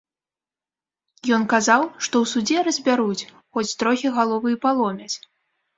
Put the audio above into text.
Ён казаў, што ў судзе разбяруць, хоць трохі галовы і паломяць.